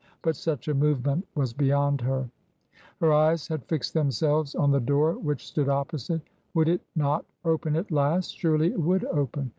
But such a movement was beyond her. Her eyes had fixed themselves on the door which stood opposite. Would it not open at last ? Surely it would open.